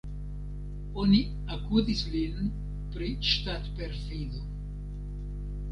Oni akuzis lin pri ŝtatperfido.